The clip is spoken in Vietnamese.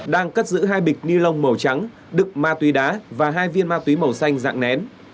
đang cất giữ hai bịch ni lông màu trắng đực ma túy đá và hai viên ma túy màu xanh dạng nén